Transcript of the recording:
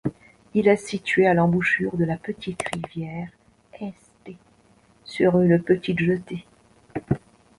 Il est situé à l'embouchure de la petite rivière Este sur une petite jetée.